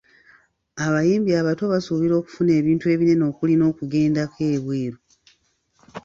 Abayimbi abato basuubira okufuna ebintu ebinene okuli n’okugendako ebweru.